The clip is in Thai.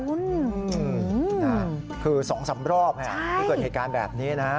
อืมคือ๒๓รอบที่เกิดเหตุการณ์แบบนี้นะฮะ